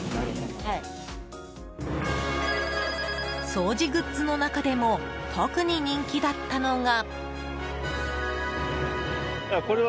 掃除グッズの中でも特に人気だったのが。